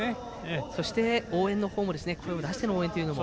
そして、応援の方も声を出しての応援というのも。